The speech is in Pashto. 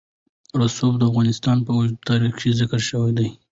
رسوب د افغانستان په اوږده تاریخ کې ذکر شوی دی.